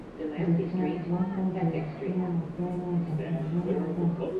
د کب غوښه د روغتیا لپاره ګټوره ده.